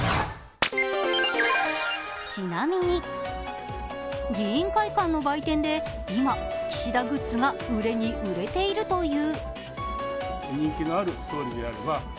ちなみに、議員会館の売店で今、岸田グッズが売れに売れているという。